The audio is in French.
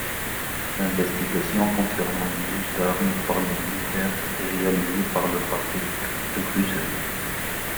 L'investigation concernant l'usage d'armes par les militaires est réalisée par le parquet de Bruxelles.